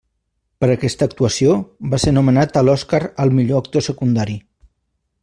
Per aquesta actuació, va ser nomenat a l'Oscar al millor actor secundari.